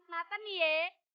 di semangatin nathan jaya